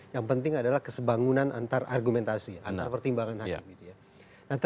yang penting adalah kesebangunan antar argumentasi antar pertimbangan hakim media